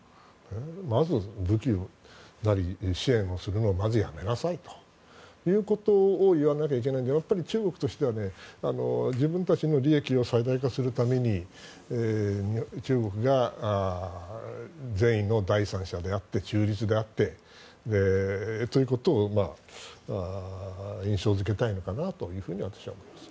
まず武器なり支援をするのをまずやめなさいということを言わなきゃいけないので中国としては自分たちの利益を最大化するために中国が善意の第三者であって中立であってということを印象付けたいのかなと私は思います。